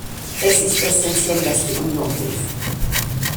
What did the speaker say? Es ist essenziell, dass die Union hilft.